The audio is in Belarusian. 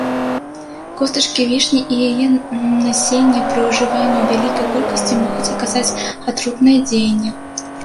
Костачкі вішні і яе насенне пры ўжыванні ў вялікай колькасці могуць аказаць атрутнае дзеянне.